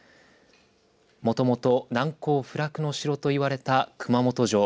もともと難攻不落の城といわれた熊本城。